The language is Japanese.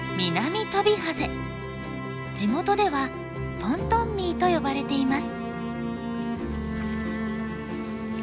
地元ではトントンミーと呼ばれています。